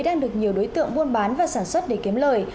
đang được nhiều đối tượng buôn bán và sản xuất để kiếm lời